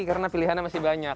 karena pilihannya masih banyak